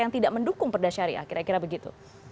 yang tidak mendukung perdasyariya kira kira begitu